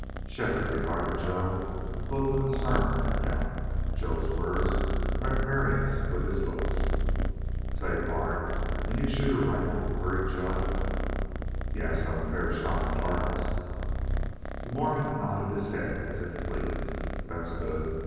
Shefford regarded Joe with both concern and doubt. Joe's words were at variance with his looks. "Say, pard, can you shoot a rifle?" queried Joe. "Yes. I'm a fair shot at targets." The Mormon nodded his head as if pleased. "That's good.